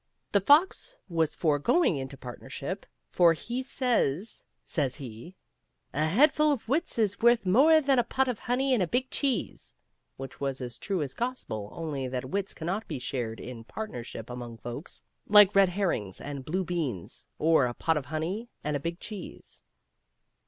The fox was for going into partnership, for he says, says he, " a head full of wits is worth more than a pot of honey and a big cheese," which was as true as gospel, only that wits cannot be shared in part nership among folks, like red herring and blue beans, or a pot of honey and a big cheese.